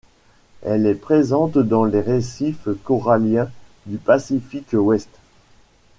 Elle est présente dans les récifs coralliens du Pacifique Ouest.